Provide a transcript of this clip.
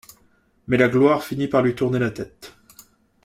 Mais la gloire finit par lui tourner la tête.